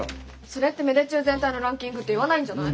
それって芽出中全体のランキングっていわないんじゃない？